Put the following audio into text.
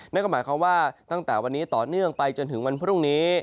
นั่นก็หมายความว่าตั้งแต่วันนี้ต่อเนื่องไปจนถึงวันพรุ่งนี้